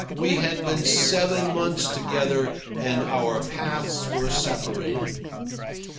We had been seven months together, and our paths were separating.